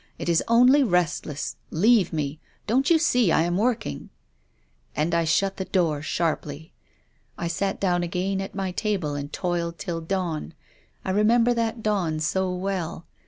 " It is only restless. Leave me. Don't you see I am working ?"" And I shut the door sharply. I sat down again at my table and toiled till dawn. I re member that dawn so well.